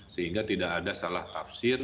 sehingga tidak ada salah tafsir